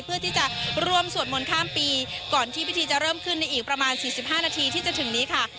เพื่อที่จะร่วมสวดมนต์ข้ามปีก่อนที่พิธีจะเริ่มขึ้นในอีกประมาณ๔๕นาทีที่จะถึงนี้ค่ะ